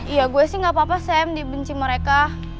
iya gue sih gak apa apa saya dibenci mereka